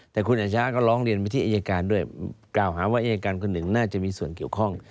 แต่คุณอาชญาก็ร้องเรียนไปที่อายการด้วยกล่าวหาว่าอายการคนหนึ่งน่าจะมีส่วนเกี่ยวข้อง